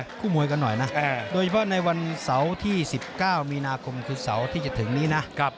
คู่มวยกันหน่อยนะโดยเฉพาะในวันเสาร์ที่๑๙มีนาคมคือเสาร์ที่จะถึงนี้นะ